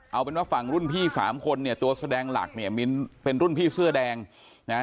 เอาเป็นว่าฝั่งรุ่นพี่สามคนเนี่ยตัวแสดงหลักเนี่ยมิ้นเป็นรุ่นพี่เสื้อแดงนะฮะ